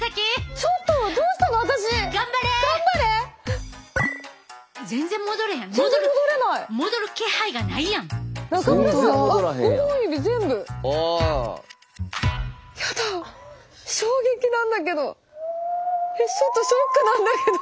ちょっとショックなんだけど。